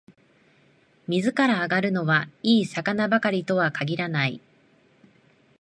水から揚がるのは、いい魚ばかりとは限らない